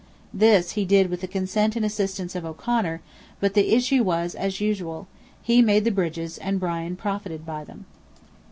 This he did with the consent and assistance of O'Conor, but the issue was as usual—he made the bridges, and Brian profited by them.